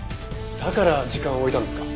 だから時間をおいたんですか？